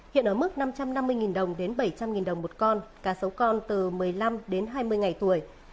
hiện ở mức năm trăm năm mươi đồng đến bảy trăm linh đồng một con cá sấu con từ một mươi năm đến hai mươi ngày tuổi